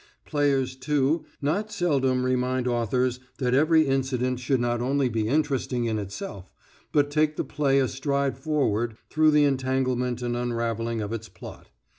Players, too, not seldom remind authors that every incident should not only be interesting in itself, but take the play a stride forward through the entanglement and unravelling of its plot.